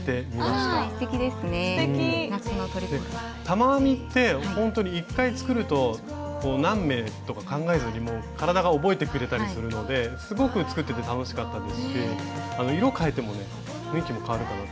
玉編みってほんとに１回作ると何目とか考えずに体が覚えてくれたりするのですごく作ってて楽しかったですし色をかえてもね雰囲気もかわるかな。